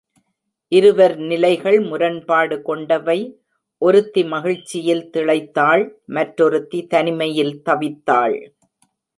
இருவர் நிலைகள் முரண்பாடு கொண்டவை ஒருத்தி மகிழ்ச்சியில் திளைத்தாள் மற்றொருத்தி தனிமையில் தவித்தாள்.